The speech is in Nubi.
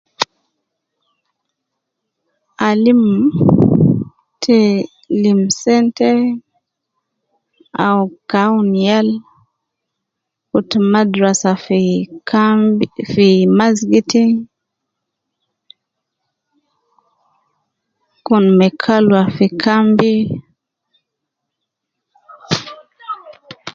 Alim te lim sente au ka awunu yal kutu madrasa fi Kam fi masgiti, Kun ma kalwa fi kambi